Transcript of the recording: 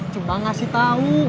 cuma ngasih tau